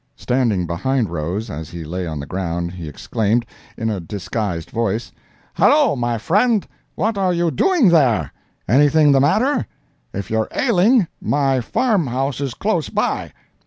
Standing behind Rose, as he lay on the ground, he exclaimed, in a disguised voice, "Hallo, my friend, what are you doing there? Anything the matter? If you're ailing, my farm house is close by."